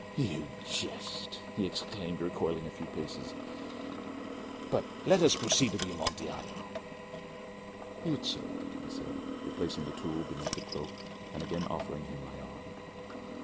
"You jest," he exclaimed, recoiling a few paces. "But let us proceed to the Amontillado." "Be it so," I said, replacing the tool beneath the cloak and again offering him my arm.